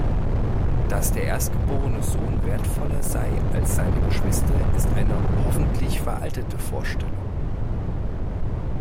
Dass der erstgeborene Sohn wertvoller sei als seine Geschwister, ist eine hoffentlich veraltete Vorstellung.